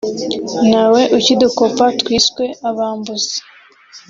Ntawe ukidukopa twiswe abambuzi